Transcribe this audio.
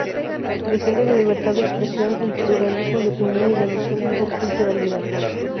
Defiende la libertad de expresión, el pluralismo de opinión y la noción de interculturalidad.